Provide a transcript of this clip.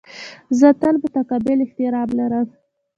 زه تل متقابل احترام لرم.